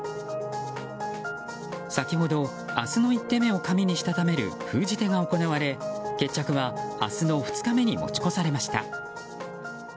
先ほど明日の一手目を紙にしたためる封じ手が行われ決着は明日の２日目に持ち越されました。